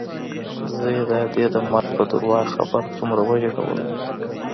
زه يې د ادې د مرګ په درواغ خبر څومره وژړولوم.